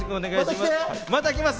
また来ます。